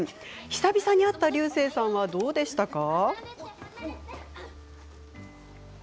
久々に会った竜星さんはどうでしたか？